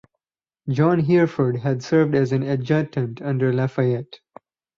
John Hereford had served as an adjutant under Lafayette.